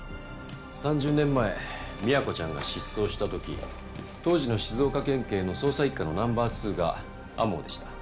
３０年前宮子ちゃんが失踪した時当時の静岡県警の捜査一課のナンバー２が天羽でした。